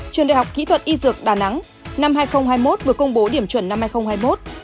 trường đại học kỹ thuật y dược đà nẵng năm hai nghìn hai mươi một vừa công bố điểm chuẩn năm hai nghìn hai mươi một